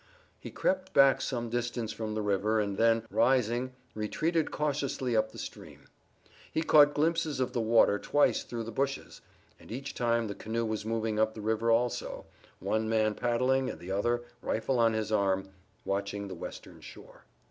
He crept back some distance from the river and then, rising, retreated cautiously up the stream. He caught glimpses of the water twice through the bushes, and each time the canoe was moving up the river also, one man paddling and the other, rifle on his arm, watching the western shore.